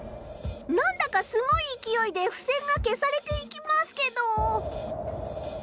何だかすごいいきおいでふせんが消されていきますけど。